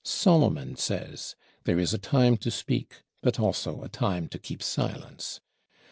Solomon says, There is a time to speak; but also a time to keep silence.